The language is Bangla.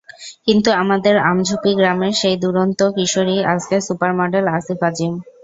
কিন্তু আমাদের আমঝুপি গ্রামের সেই দুরন্ত কিশোরই আজকের সুপার মডেল আসিফ আজিম।